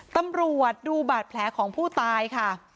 ตำรวจดูบาดแผลของผู้ตายค่ะ